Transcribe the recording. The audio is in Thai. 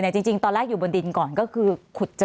จริงตอนแรกอยู่บนดินก่อนก็คือขุดเจอ